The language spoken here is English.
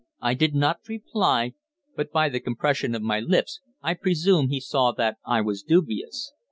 I did not reply; but by the compression of my lips I presume he saw that I was dubious.